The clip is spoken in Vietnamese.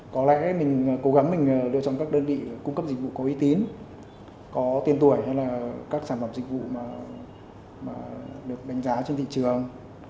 có lẽ mình cố gắng mình đưa trong các đơn vị cung cấp dịch vụ có uy tín có tiền tuổi hay là các sản phẩm dịch vụ mà được đánh giá trên thị trường